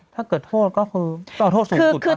ถ้าเกิดโทษก็คือโทษสูงสุดค่ะ